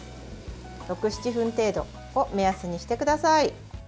６７分程度を目安にしてください。